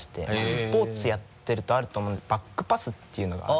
スポーツやってるとあると思うんですけどバックパスっていうのがある。